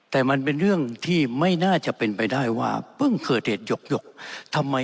แต่มันเป็นเรื่องที่ไม่น่าจะเป็นไปได้ว่า